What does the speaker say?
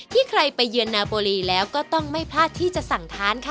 ใครไปเยือนนาโบรีแล้วก็ต้องไม่พลาดที่จะสั่งทานค่ะ